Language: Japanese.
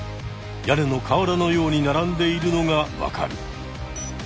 屋根のかわらのように並んでいるのがわかる。